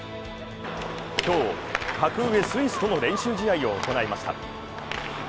今日格上スイスとの練習試合を行いました。